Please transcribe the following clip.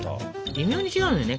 微妙に違うのよね。